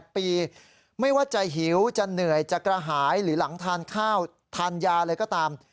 ๘ปีไม่ว่าจะหิวจะเหนื่อยจะกระหายหรือหลังทานข้าวทานยาอะไรก็ตาม